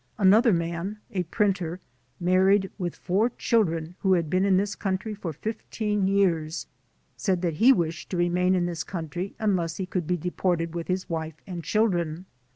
Another man, a printer, married, with four children, who had been in this country for fifteen years, said that he wished to remain in this country unless he could be deported with his wife and children.